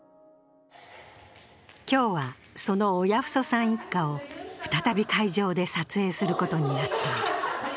今日は、その親冨祖さん一家を再び会場で撮影することになった。